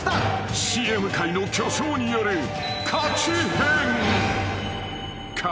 ［ＣＭ界の巨匠によるカチヘン］